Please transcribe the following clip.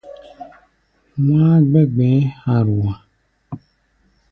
Wá̧á̧ gbɛ̧́ gbɛ̧ɛ̧́ ha̧a̧rua̧a̧.